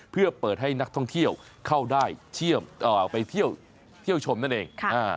เพื่อเปิดให้นักท่องเที่ยวเข้าได้ไปเที่ยวชมนั่นเอง